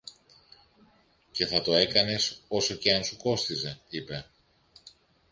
και θα το έκανες όσο και αν σου κόστιζε, είπε.